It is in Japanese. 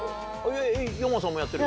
ヨンアさんもやってる？